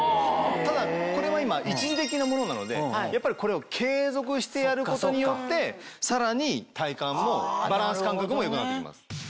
ただこれは今一時的なものなのでやっぱりこれを継続してやることによってさらに体幹もバランス感覚も良くなって行きます。